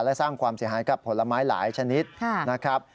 และสร้างความเสียหายกับผลไม้หลายชนิดนะครับ